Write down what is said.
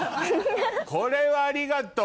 これはありがとう。